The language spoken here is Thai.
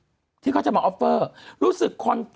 คุณหนุ่มกัญชัยได้เล่าใหญ่ใจความไปสักส่วนใหญ่แล้ว